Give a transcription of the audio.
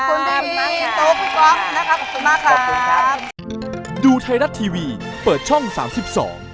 ขอบคุณพี่รีนตุ๊กคุณก๊อคนะครับขอบคุณมากครับ